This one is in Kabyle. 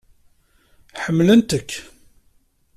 Ḥemmlent-k!